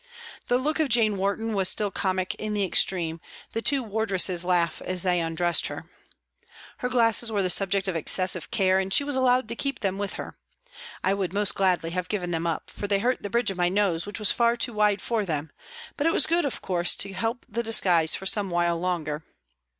The look of Jane Warton was still comic in the extreme, the two wardresses laughed as they undressed her. Her glasses were the subject of excessive care and she was allowed to keep them with her. I would most gladly have given them up, for they hurt the bridge of my nose which was far too wide for them, but it was good, of course, to help the disguise for some while longer.